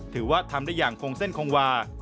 ถือว่าทำได้อย่างคงเส้นคงวา